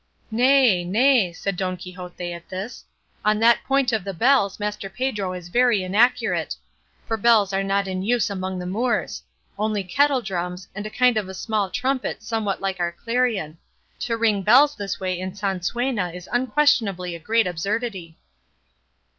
"Nay, nay," said Don Quixote at this; "on that point of the bells Master Pedro is very inaccurate, for bells are not in use among the Moors; only kettledrums, and a kind of small trumpet somewhat like our clarion; to ring bells this way in Sansuena is unquestionably a great absurdity."